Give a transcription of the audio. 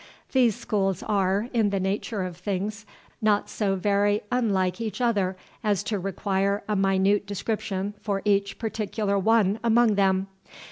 These schools are, in the nature of things, not so very unlike each other as to require a minute description for each particular one among them.